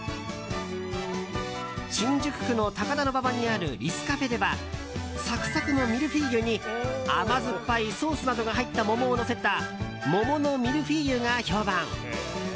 新宿区の高田馬場にあるリスカフェではサクサクのミルフィーユに甘酸っぱいソースなどが入った桃をのせた桃のミルフィーユが評判。